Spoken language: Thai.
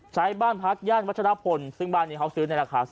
บ้านพักย่านวัชรพลซึ่งบ้านนี้เขาซื้อในราคา